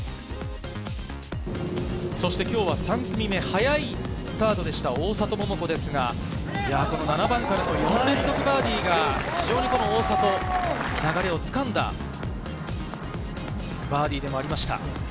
そして今日は３組目、早いスタートでした大里桃子ですが、７番からの４連続バーディーが非常に大里、流れをつかんだバーディーでもありました。